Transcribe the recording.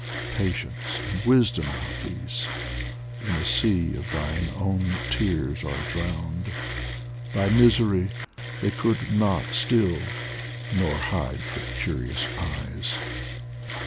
Patience and wisdom, Hafiz, in a sea Of thine own tears are drowned ; thy misery They could not still nor hide from curious eyes.